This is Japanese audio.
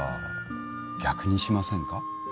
逆にしませんか？